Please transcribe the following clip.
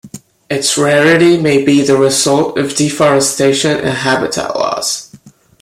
Its rarity may be the result of deforestation and habitat loss.